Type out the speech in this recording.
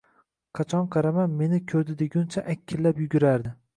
Qachon qarama, meni ko`rdi deguncha akillab yugurardi